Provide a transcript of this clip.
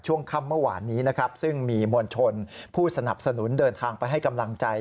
ช่วงค่ำเมื่อวานนี้นะครับซึ่งมีมวลชนผู้สนับสนุนเดินทางไปให้กำลังใจ